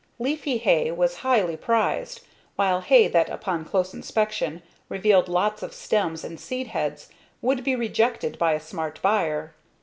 Leafy hay was highly prized while hay that upon close inspection revealed lots of stems and seed heads would be rejected by a smart buyer.